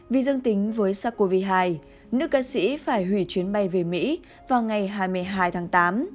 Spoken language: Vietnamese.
vì dương tính với sars cov hai nước ca sĩ phải hủy chuyến bay về mỹ vào ngày hai mươi hai tháng tám